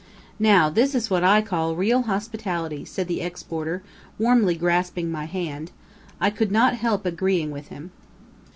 "Now, this is what I call real hospitality," said the ex boarder, warmly grasping my hand. I could not help agreeing with him.